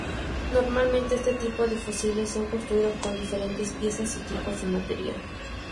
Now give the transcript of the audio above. Normalmente, este tipo de fusiles son construidos con diferentes piezas y tipos de material.